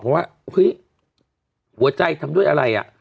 หัวใจทำด้วยอะไร